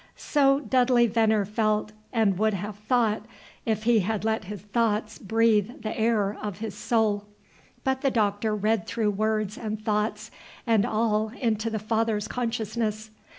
So Dudley Venner felt, and would have thought, if he had let his thoughts breathe the air of his soul. But the Doctor read through words and thoughts and all into the father's consciousness.